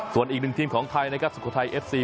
ส่วนอีกหนึ่งทีมของไทยนะครับสุโขทัยเอฟซี